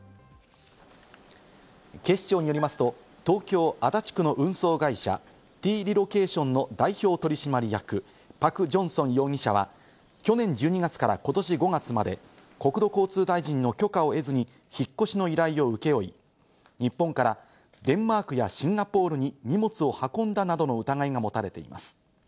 警視庁によりますと、東京・足立区の運送会社「ＴＲＥＬＯＣＡＴＩＯＮ」の代表取締役、パク・ジョンソン容疑者は、去年１２月からことし５月まで国土交通大臣の許可を得ずに引っ越しの依頼を請け負い、日本からデンマークやシンガポールに荷物を運んだなどの疑いが持たれています。